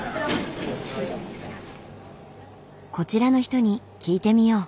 こちらの人に聞いてみよう。